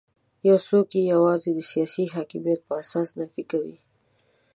یو څوک یې یوازې د سیاسي حاکمیت په اساس نفي کوي.